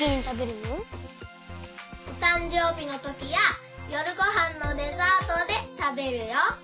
おたんじょうびのときやよるごはんのデザートでたべるよ。